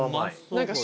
何か。